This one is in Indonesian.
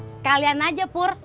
sekalian aja purr